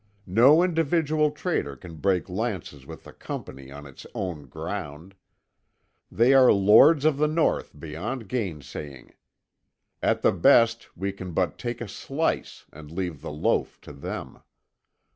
No individual trader can break lances with the Company on its own ground. They are lords of the North beyond gainsaying. At the best we can but take a slice and leave the loaf to them.